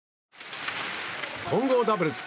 混合ダブルス。